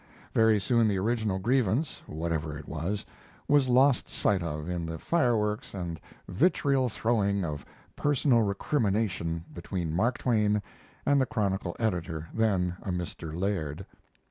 Very soon the original grievance, whatever it was, was lost sight of in the fireworks and vitriol throwing of personal recrimination between Mark Twain and the Chronicle editor, then a Mr. Laird.